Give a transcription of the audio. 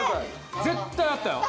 絶対あったよ。